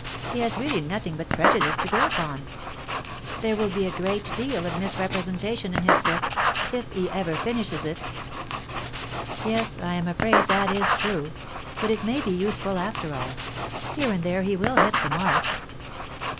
"He has really nothing but prejudice to go upon. There will be a great deal of misrepresentation in his book if he ever finishes it." "Yes, I am afraid that is true. But it may be useful, after all. Here and there he will hit the mark."